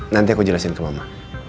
nanti aku jelasin ke mama